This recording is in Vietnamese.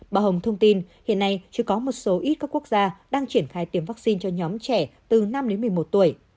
bà hồng thông tin hiện nay chưa có một số ít các quốc gia đang triển khai tiêm vaccine cho nhóm trẻ từ năm đến một mươi một tuổi